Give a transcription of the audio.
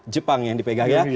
jepang yang dipegang ya